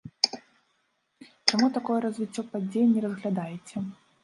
Чаму такое развіццё падзей не разглядаеце?